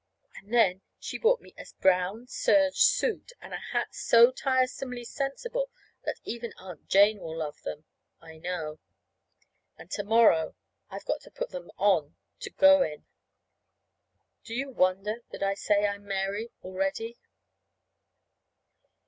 And then she bought me a brown serge suit and a hat so tiresomely sensible that even Aunt Jane will love them, I know. And to morrow I've got to put them on to go in. Do you wonder that I say I am Mary already?